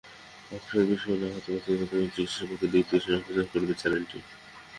Cocktail বিস্ফোরণে আহত ব্যক্তিদের প্রাথমিক চিকিৎসা সম্পর্কেও দিকনির্দেশনা প্রচার করবে চ্যানেলটি।